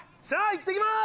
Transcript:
いってきます！